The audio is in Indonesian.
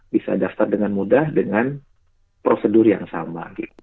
bisa daftar dengan mudah dengan prosedur yang sama